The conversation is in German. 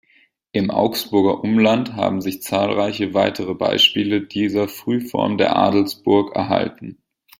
Im Augsburger Umland haben sich zahlreiche weitere Beispiele dieser Frühform der Adelsburg erhalten.